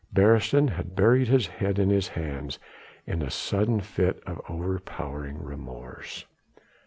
Beresteyn had buried his head in his hands, in a sudden fit of overpowering remorse.